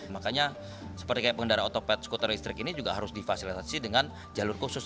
makanya seperti kayak pengendara otopet skuter listrik ini juga harus difasilitasi dengan jalur khusus